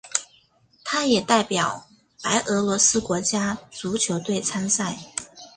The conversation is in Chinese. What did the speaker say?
他也代表白俄罗斯国家足球队参赛。